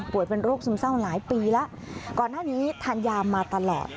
เป็นโรคซึมเศร้าหลายปีแล้วก่อนหน้านี้ทานยามาตลอด